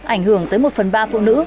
ảnh hưởng tới một phần ba phụ nữ